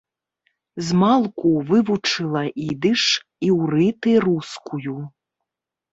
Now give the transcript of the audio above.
Змалку вывучыла ідыш, іўрыт і рускую.